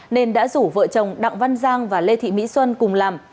nên đã rủ vợ chồng đặng văn giang và lê thị mỹ xuân cùng làm